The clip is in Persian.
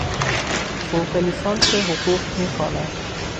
فوق لیسانس حقوق می خوانم.